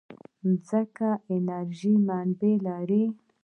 مځکه د انرژۍ منابع لري.